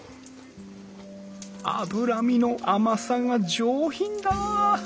脂身の甘さが上品だ。